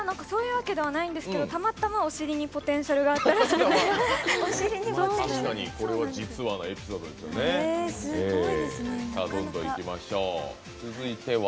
そういうわけではないんですけど、たまたまお尻にポテンシャルがあったらしくて。